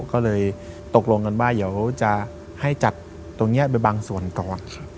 ก็เลยตกลงกันว่าเดี๋ยวจะให้จัดตรงนี้ไปบางส่วนก่อน